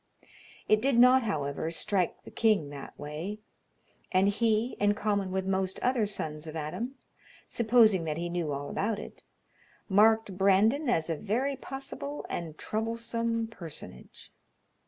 It did not, however, strike the king that way, and he, in common with most other sons of Adam, supposing that he knew all about it, marked Brandon as a very possible and troublesome personage.